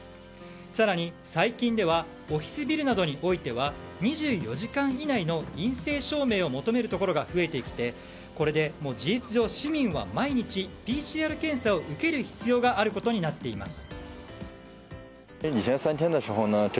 更に最近ではオフィスビルなどにおいては２４時間以内の陰性証明を求めるところが増えてきてこれで、事実上市民は毎日ＰＣＲ検査を受ける必要があることになっています。